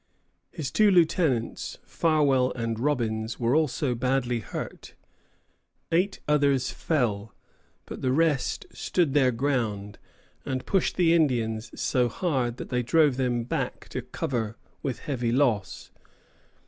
His two lieutenants, Farwell and Robbins, were also badly hurt. Eight others fell; but the rest stood their ground, and pushed the Indians so hard that they drove them back to cover with heavy loss.